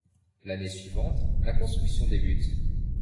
L'année suivante la construction débute.